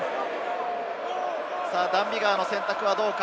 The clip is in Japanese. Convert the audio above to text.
ダン・ビガーの選択はどうか？